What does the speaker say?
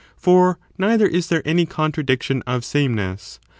For neither is there any contradiction of sameness.